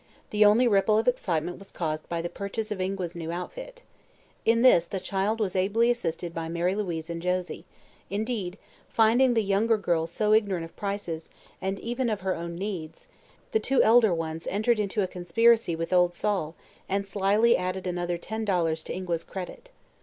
The only ripple of excitement was caused by the purchase of Ingua's new outfit. In this the child was ably assisted by Mary Louise and Josie; indeed, finding the younger girl so ignorant of prices, and even of her own needs, the two elder ones entered into a conspiracy with old Sol and slyly added another ten dollars to Ingua's credit.